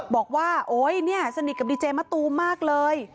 บอกว่าสนิทกับดีเจมส์มะตูมมากเลย